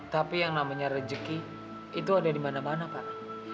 tapi yang namanya rejeki itu ada di mana mana pak